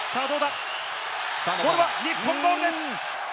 ボールは日本ボールです。